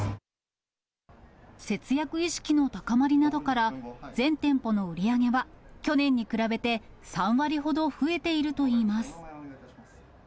節約意識の高まりなどから、全店舗の売り上げは、去年に比べて３割ほど増えているといいます。